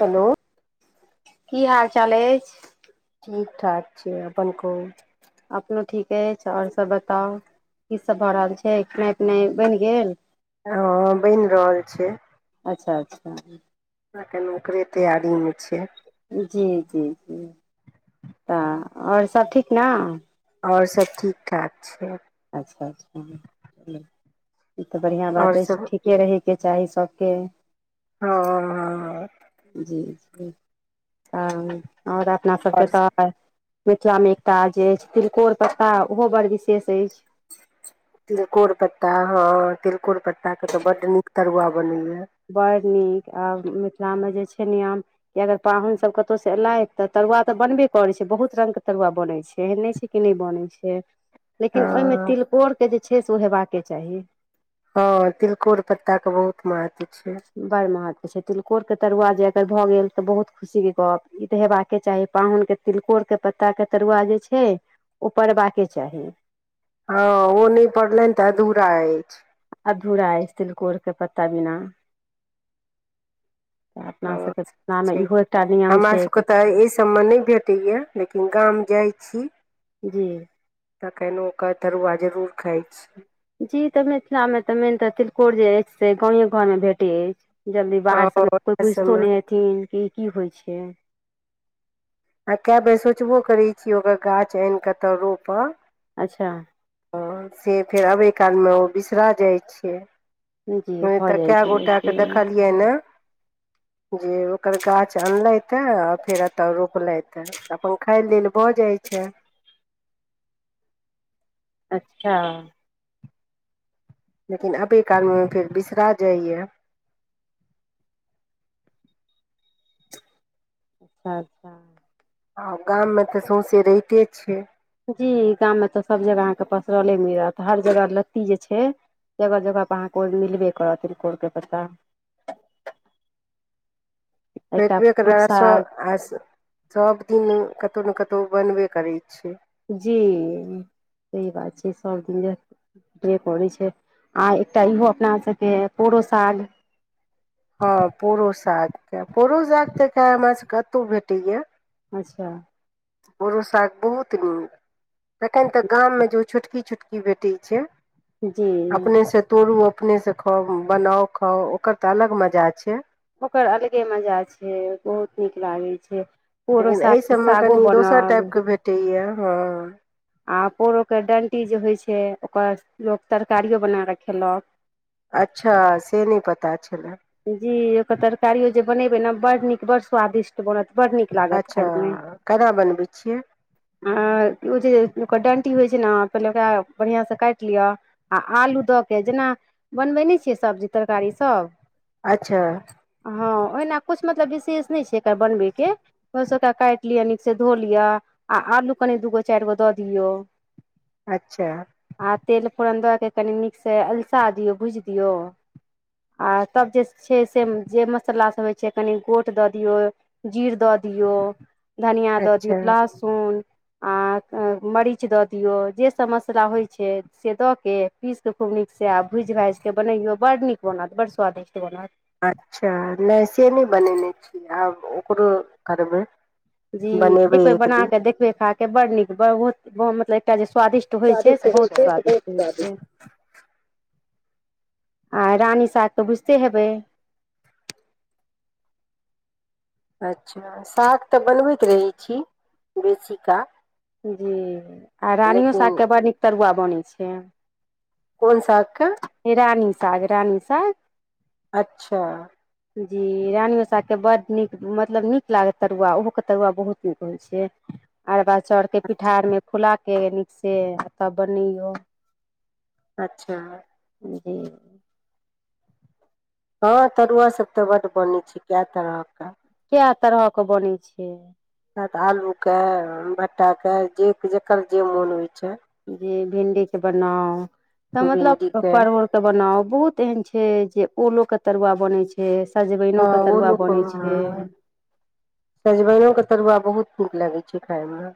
Hello की हाल चाल अछि ठीक ठाक छै अपन कहु अपनो ठीके अछि आओर सभ बताउ की सब भऽ रहल छै खेनाइ पिनाइ बनि गेल ह बनि रहल छै अच्छा अच्छा अखन ओकरे तैयारी मे छियै जी जी जी तऽ आओर सब ठीक न आओर सब ठीक ठाक छै अच्छा अच्छा ई तऽ बढ़िआँ आओर बात अछि सब ठीक के रहैके चाही सबके हँ हँ जी जी तऽ आओर अपना सभके आओर तऽ मिथिलामे एकटा जे अछि तिलकोर पत्ता ओहो बडड़ विशेष अछि तिलकोर पत्ता हँ तिलकोर पता ता के तऽ बड्ड नीक तरुआ बनैया बड़ नीक आ मिथिला मे जे छै नियम कि अगर पाहुनसभ कतहु से एलइ तऽ तरुआ तऽ बनबे करैत छै बहुत रंग के तरुआ बनै छै एहन नै छै क नहि बनै छै लेकिन ओहिमे हँ तिलकोर के जे छै से ओ हेबाके चाही हँ तिलकोर पत्ता के बहुत महत्व छै बड़ महत्व छै तिलकोर के तरुआ जे अगर भऽ गेल तऽ बहुत खुशी के गप ई तऽ हेबाक चाही पाहुन के तिलकोरके पत्ताके तरुआ जे छै ओ परबाके चाही हँ ओ नहि पड़लनि तऽ अधूरा अछि अधूरा अछि तिलकोर के पत्ता बिना तऽ अपना हँ सबके पनामे छै इहो एकटा नियम छै सबके की तऽ एहि हमरा नहि भेटैया लेकिन गाम जाई छी जी तखन ओकर तरुआ जरूर खाइ छी जी तऽ मिथिलामे तऽ मेन तऽ तिलकोर जे अछि से गांवे गांवमे भेटैत अछि जलदी ओ बाहर सममे कोइ वएह बुझितो सबमे नहि हेथिन कि ई की होइ छै आ कए बेर सोचबो करैत छी ओकर गाछ आन कऽ तऽ रोपब अच्छा ह से फेर अबै कालमे ओ बिसरा जाइत छै जी हँ भऽ तऽ जाइ कए छै गोटाके लेकिन देखलियै ने जे ओकर गाछ अनले ते फेर एता रोप लथि अपन खाय लेल भऽ जाइत छै अच्छा लेकिन अभी काल मे फेर बिसरा जाइ य अच्छा आ गाममे तऽ सौँसे रइते छै जी गामं तऽ सब जगह अहाँके पसरले मिलत हर जगह लत्ती जे छै जगह जगह पर अहाँ को मिलबे करथि तिलकोर के पत्ता एकटा बेटबे कर र साग आ सब दिन कतौ ने कतौ बनबे करै छै जी सही बात छै सब दिन के करै छै आ एकटा इहो अपना सबके पोरो साल हँ पोड़ो साग के पोड़ो साग त खाय हमरा सब कतहु भेटे या अच्छा पड़ो साग बहुत नीक तखन तऽ गाममे जे ओ छोटकी छोटकी भेटैत छै जी अपने स तोड़ू अपने से खाउ बनाउ खाउ ओकर तऽ अलग मजा छै ओकर अलगे मजा छै बहुत नीक लागैय छै पोरो लेकिन एहि सागके सभमे सागो कनी दोसर बनल टाइपके भेटैए हँ आ पोरोके डणटी जे होइ छै ओकर लोक तरकारियो बना कऽ खेलक अच्छा से नहि पता् छलाह जी ओकर तरकारियो जे बनेबे ने बड़ नीक बड़ स्वादिष्ट बनत बड़ नीक लागत अच्छा खायमे कना बनबै छियै आ ओ जे ओकर डण्टी होइ छै ने पहिले ओकरा बढ़िआँसँ काट लिअ आ आलू दऽ के जेना बनबेने छियै सब्जी तरकारीसभ अच्छा हँ ओहिना कुछ मतलब विशेष नहि छै एकर बनबैके ओहो सबटा काट लिय अ नीक से धो लिअ आ आलू कनि दूगो चार गो दऽ दियौ अच्छा आ तेल फोरन दऽ के कनि नीकसँ अलसा दीयो भुजि डियो आ तब जे छै से जे मसाला सब होइ छै कनि गोट दऽ दियौ जीर दऽ दियौ धनिया दऽ अच्छा डियौ लहसुन आ मरीच दऽ दियौ जेसभ मसला होइत छै से दऽ कऽ पीस कऽ खूब नीकसँ आ भूज भाजिकऽ बनैयौ बडड़ड नीक बनत बडड़ड स्वादिष्ट बनत अच्छा नहि से नहि बनेने छीयै आब ओकरो करबै जी एक बनेबै बेर बना दिन के देखबे खाक बड़ नीक बहुत मतलब एकटा जे स्वादिष्ट होइ छै से बहुत स्वादिष्ट होइ अच्छा छै आ रानी साग तऽ बुझते हेबै अच्छा साग तऽ बनबैत रहैत छी बेसी का जी आ रानियो सागके बड़ नीक तरुआ बनै छै कोन सागके रानी साग रानी साग अच्छा जी रानीमे साकके बड्ड नीक मतलब नीक लागत तरुआ ओहोके तरुआ बहुत नीक होइ छै अरबा चाउर के पिठार मे फुला के नीक से तब बनैयौ अच्छा ओ [unintelligible] हँं तरुआ सब ते बड बन छै कए तरह के केए तरह के बनै छै नै त आलूके भट्टाके जे जकर जे मोन होइ छै जी भिंडी के बनाउ तऽ मतलब भिण्डीके परोर के बनाउ बहुत एहन छै जे ओलो के तरुआ बने छै से हँ सजमइनोके तरुआ ओलूके बनै छै सजमनइनोके तरुआ बहुत नीक लागै छै खायमे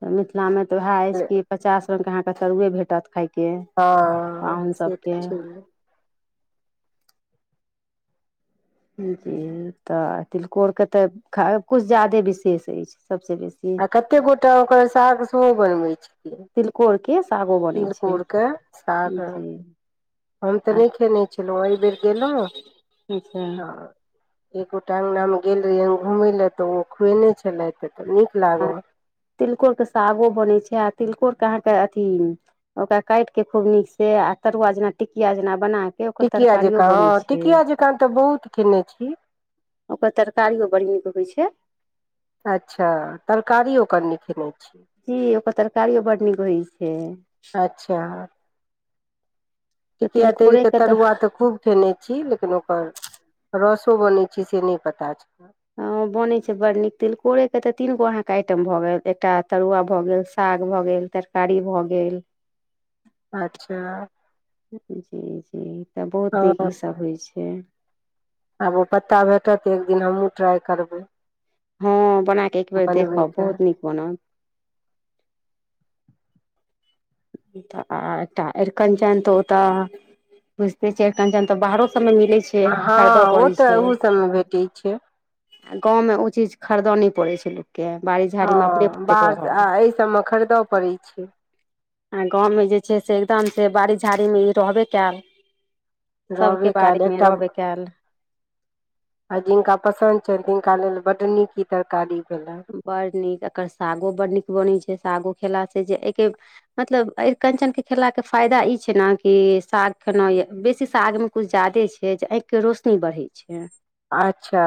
तऽ मिथिला मे तऽ उएह अछि कि पचास रंग के अहाँके तरुए भेटत खाय के हँ पाहुन से तऽ सभके छै जी तऽ तिलकोर के ते ख कुछ ज्यादे विशेष अछि सबसे बेसी कते गोटा ओकर साग सेहो बनबै छै तिलकोर के सागो बनै छै साग जी हम तऽ नहि खेने छलहुँ एहि बेर गेलहुँ अच्छा तऽ एकगोटा अंगना मे गेल रहिय घूमे ले ते ओ खुएने छलेथ त नीक आ लागल तिलकोर के सागो बनै छै आ तिलकोर के अहाँके अथी ओकरा काट के खूब नीक से आ तरुआ जेना टिकिया जेना बना के ओकर टिकिया तरकारियो जकाँ बनै हँ छै टिकिया जकाँ तऽ बहुत खेने छी ओकर तरकारियो बड़ नीक होइ छै अच्छा तरकारी ओकर नइ खेने छी जी ओकर तरकारियो बड्ड नीक होइ छै अच्छा तऽ टिकिया तिलकोरे तरिक के तरुआ तऽ खूब खेने छी लेकिन ओकर रसो बनै छै से नहि पता छै ह बनैत छै बड नीक तिलकोरके तऽ तीन गो अहाँके आइटम भऽ गेल एकटा तरुआ भऽ गेल साग भऽ गेल तरकारी भऽ गेल अच्छा जी जी तऽ बहुत नीक हँ ईसभ होइ छै आब ओ पत्ता भेटत एक दिन हमहूँ ट्राइ करबै हँ बना के एक बेर देखब बनबैके बहुत नीक बनत तऽ आ एकटा अरिकनचन तऽ ओ तऽ बुझते छै एरकंचन त बाहरो सब मे मिले छै हँ खरीदय ओ पड़ै तऽ ओहो सभमे भेटैत छै गाँव मे ओ चीज खरीदऽ नहि पड़ै छलै के बाड़ी झाड़ीमे अपने ह ओतेक बाज आ रहल एहि सबमे खरीदय पड़ैत छै आ गाँवमे जे छै से एकदम से बाड़ी झाड़ी मे ई रहबे कयल सबके रहबे बारी कयल मे एकटा रहबे कैल आ जिनका पसंद छै तिनका लेल बड नीक इ तरकारी भेलनि बड नीक एकर सागो बड़ नीक बनैत छै सागो खेला से जे अइके मतलब अ कञ्चन के खेला के फायदा ई छै ने कि साग खेलहु य बेसी साग मे कुछु ज्यादे छै जे आँखिके रोशनी बढ़ैत छै अच्छा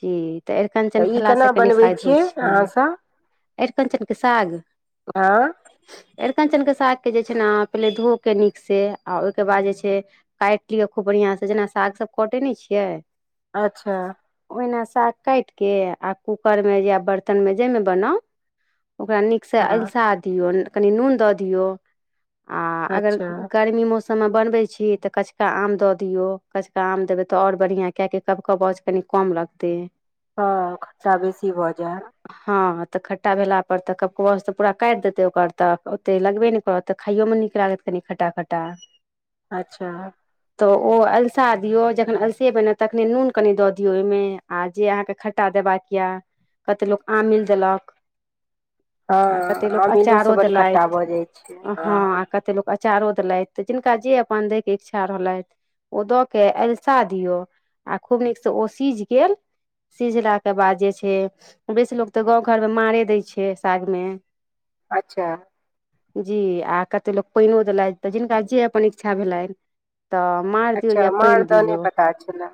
जी तऽ एरकञ्चन ई खेला केना सँ कनी बनबै फायदो छियै छैय अहाँसभ अरकञ्चन के साग हँ अरिकञ्चनके सागके जे छै ने पहिले धोके कऽ नीकसँ आ ओहिके बाद जे छै काटि लियौ खूब बढ़िआं से जेना साग सब कटे नहि छियै अच्छा ओहिना साग काटि के आ कूकर मे या बर्तन मे जाहिमे बनाउ ओकरा नीक से हँ अलसा दियौ कनी नून दऽ दिओ आ आगर अच्छा गर्मी मे ओ साग सन मे बनबै छी तऽ कचका आम दऽ दियऔ कचका आम देबै तऽ आओर बढ़िआं किआकि कब कबाज कनि कम लागते हँ खट्टा बेसी भऽ जायत हँ तऽ खट्टा भेला पर तऽ कबक पूरा काटि देतै ओकर तऽ ओते लगबे ने करत तऽ खायोमे नीक लागत कनि खटा खटा अच्छा तऽ ओ अलसा दियौ जखन अलसे बन तखनि नून कनि दऽ दियौ ओहिमे आ जे अहाँके खट्टा देबाक यए कते लोक आमिल देलक हँ आ कते लोक अमीलोसँ अचारो बड्ड खट्टा देलेथ भऽ जाइ छै हँ आ कते लोक चारो देलथि तऽ जिनका जे अपन दै के इच्छा रहलथि ओ दऽ के एलशा दियौ आ खूब नीकसँ ओ सीझ गेल सिझला के बाद जे छै बेसी लोग तऽ गाँं घर मे मारे दय छै साग मे अच्छा जी आ कते लोक पानियो देलथि तऽ जिनका जे अपन इच्छा भेलन तऽ मार दियौ अच्छा या पइन मारदह दियौ पता छलए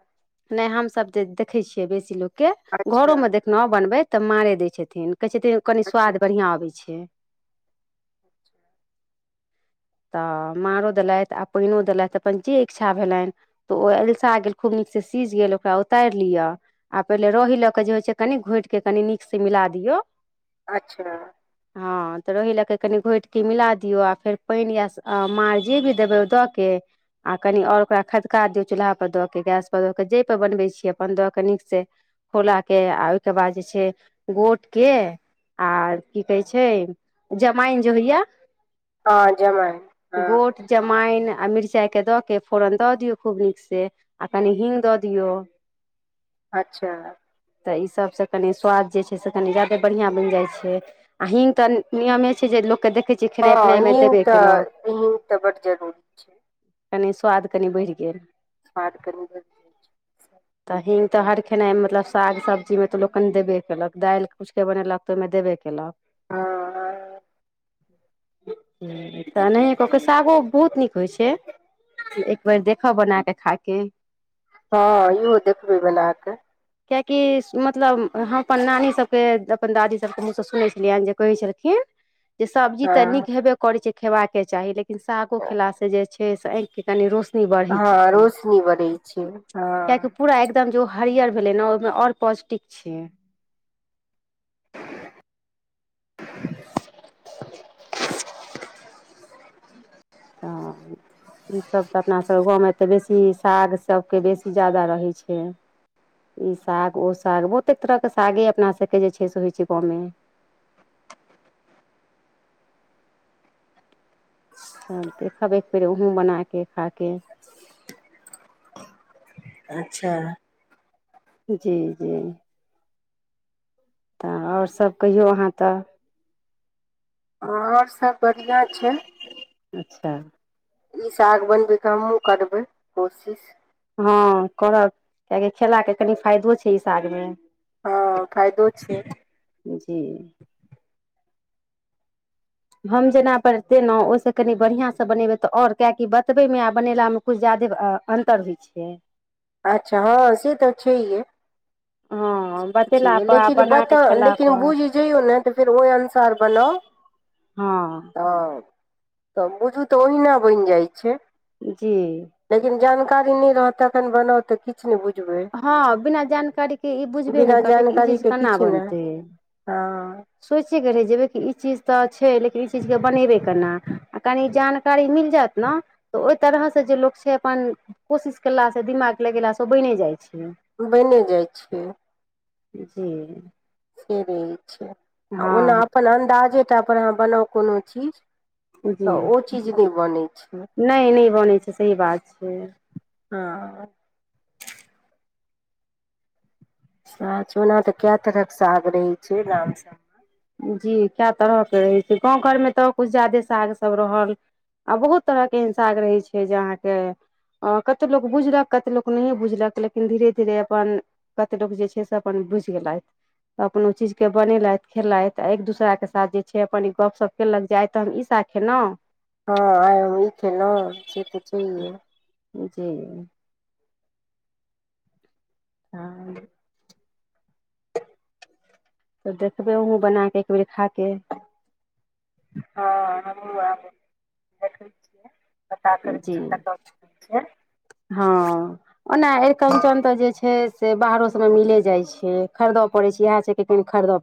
नहि हमसब जे देखै छियै बेसी लोक के घरो अच्छा मे देख माँ बनबै तऽ मारे दै छथिन कहै छथिन कनि अच्छा स्वाद बढ़िआँ अबै छै [inaudible] तऽ मारो देलथि आ पानिओ देलथि अपन जे इच्छा भेलेन तऽ ओ एलशा गेल खूब नीक से सीझ गेल ओकरा उतारि लियअ आ पहिले रहि ल कऽ के जे होइ छै कनि घोट के कनि नीक से मिला दियऔ अच्छा हँ तऽरहि लेके कनि घोटि कऽ मिला दियऔ आ फेर पानि या मार जे भी देबे द। के आ कनि आओर ओकरा खदका दियौ चूल्हापर दऽ कऽ गैसपर दऽ कऽ जेहिपर बनबैत छीियै अपन दऽ कऽ नीक सँ खोला के आ ओहिके बाद जे छै घोट के आर की कहै छै जमाइन जे होइया हँ जमाईन हॉं गोट जमाइन आ मिरचाइके दऽ के फोरन दऽ दियौ खूब नीकसँ आ कनि हीङ्ग दऽ दियौ अच्छा तऽ इसभसँ कनि स्वाद जे छै से कनि ज्यादे बढ़िआँ बनि जाइ छै आ हिंग तऽ नियमे छै जे लोकके देखै छियै खेनाइ हँ पिनाइमे हींग देबे केलक तऽ बड्ड जरूरी छै कनि स्वाद कनि बढ़ि गेल स्वाद कनी बढ़ तऽ हिंग तऽ हर खेनाइ मतलब साग सब्जीमे तऽ लोकनि देबे केलक दालि किछुके बनेलक तऽ ओहिमे देबे कयेलक हाॅं हॉं तऽ एनाहिए कऽ क सागो बहुत नीक होइ छै एक बेेर देखब बना कऽ खा के हँ इहो देखबै बना कऽ किएकि मतलब हम अपन नानीसभके अपन दादीसभके मुँहसँ सुनै छलियनि जे कहै छलखिन जे सब्जी तऽ हँ नीक हेबे करैत छै खेबाके चाही लेकिन सागो खेलाँ जे छै से ऑंख कनि रोशनी बढ़ै छै हँ रोशनी बनै छै कियकि हँ पूरा एकदम जे ओ हरियर भेलै ने ओहिमे आओर पॉसटिक छै [inaudible] तऽ ई सब तऽ अपना सभके गाँव मे तऽ बेसी साग सबके बेसी जादा रहै छै ई साग ओ साग बहुते तरह के सागे अपना सबके जे छै से होइ छै गाँव मे तब देखब एक बेेर ओहो बनाकेऽ खाकेऽ अच्छा जी जी तऽ और सब कहियौ अहाँ तऽ और सब बढ़ियाँ छै अच्छा ई साग बनबैके हमहूँ करबै कोशिश हँ करब कियाकि खेला के कनि फायदो छै ई सागमे हँ फायदो छै जी हम जेना बतेलहुँ ओहिसँ कनि बढ़िआँसँ बनेबै तऽ आओर कियकि बतबैमे आ बनेलामे कुछु ज्यादे अन्तर होइ छै अच्छा हँ से तऽ छैे है हँ बतेला छैहे पर आ लेकिन बना कऽ बताउ खेला लेकिन पर बुझि जइयौ ने तऽ फेर ओहि अनुसार बनाउ हँ त बुझु तऽ ओहिना बनि जाइ छै जी लेकिन जानकारी नहि रहत तखन बनाउ तऽ किछु नहि बुझबै हँ बिना जानकारी के ई बुझबे ने बिना करबै त ई चीज जानकारीके केना किछु नहि बनतै हँ सोचयके रहय जेबै कि ई चीज तऽ छै लेकिन ई चीजके बनेबै केना आ कनि जान कारी मिल जायत न तऽ ओहि तरह से जे लोक छै अपन कोशिश केलासँ दिमाग लगेलासँ ओ बैने जाइ छै बैने जाइ छै जी से रहै छै आ ओना हँ अपन अन्दाजे टा पर अहाँ बनाउ कोनो चीज जी तऽ ओ चीज नहि बनै छै नहि नहि बनै छै सही बात छै हँ आ ओना तऽ कै तरहक साग रहै छै गाछ सब जी कए तरहके रहै छै गाँव घरमे तऽ किछु ज्यादे साग सब रहल आ बहुत तरहके एहेन साग रहै छै जे अहाँके ह कतेक लोक बुझलक कतेक लोक नहिए बुझलक लेकिन धीरे धीरे अपन कते लोक जे छै से अपन बुझि गेलथि अपन ओ चीज के बनेलथि खेलथि आ एक दोसराके साथ जे छै अपन गपशप केलक जे आय तऽ हम ई साग खेलहुँ हँ आइ हम ई खेलहुं से तऽ छैहे जी हँ तऽ देखबे ओहुँ बना के एकबेर खा के हँ हमु आब देखै छियै पता करै जी छी कतऽ की छै हँ ओना अरिकंचन तऽ जे छै से बाहरो सब मे मिले जाय छै खरीदय पड़े छै इएह छै कि कनी खरीद